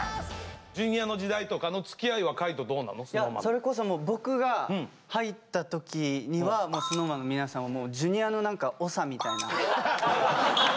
それこそ僕が入った時にはもうＳｎｏｗＭａｎの皆さんはＪｒ．の何か長みたいな。